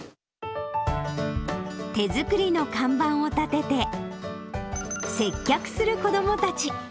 手作りの看板を立てて、接客する子どもたち。